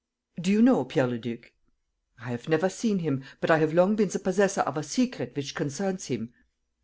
"Do you know Pierre Leduc?" "I have never seen him, but I have long been the possessor of a secret which concerns him.